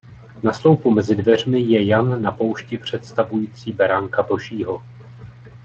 Na sloupu mezi dveřmi je Jan na poušti představující beránka božího.